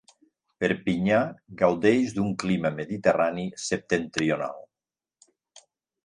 Perpinyà gaudeix d'un clima mediterrani septentrional.